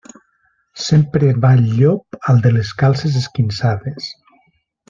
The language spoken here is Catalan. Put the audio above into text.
Sempre va el llop al de les calces esquinçades.